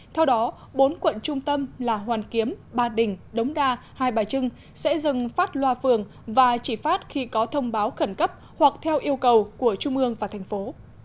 theo đó bốn quận trung tâm là hoàn kiếm ba đình đống đa hai bài trưng sẽ dừng phát loa phường và chỉ phát khi có thông báo khẩn cấp hoặc theo yêu cầu của trung ương và thành phố